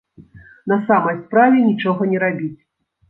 На самай справе, нічога не рабіць.